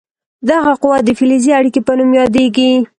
دغه قوه د فلزي اړیکې په نوم یادیږي.